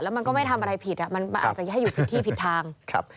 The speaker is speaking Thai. แล้วมันก็ไม่ทำอะไรผิดมันอาจจะให้อยู่ที่ผิดทาง